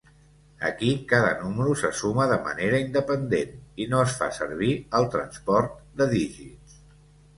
Aquí cada número se suma de manera independent i no es fa servir el transport de dígits.